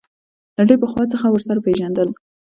له ډېر پخوا څخه ورسره پېژندل.